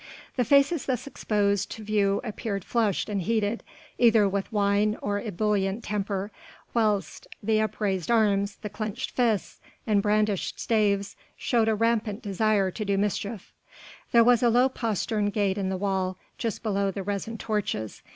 The faces thus exposed to view appeared flushed and heated either with wine or ebullient temper whilst the upraised arms, the clenched fists and brandished staves showed a rampant desire to do mischief. There was a low postern gate in the wall just below the resin torches.